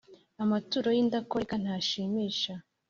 amaturo y’indakoreka ntashimisha.